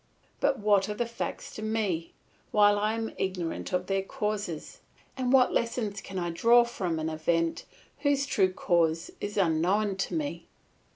But what are the facts to me, while I am ignorant of their causes, and what lessons can I draw from an event, whose true cause is unknown to me?